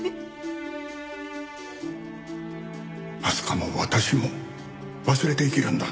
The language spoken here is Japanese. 明日香も私も忘れて生きるんだ。